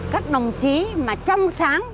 các đồng chí mà trong sáng